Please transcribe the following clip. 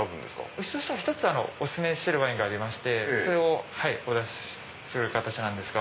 うちとしてはお薦めしてるワインがありましてそれをお出しする形なんですが。